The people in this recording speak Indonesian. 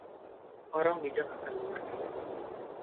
Orang bijak akan mengerti.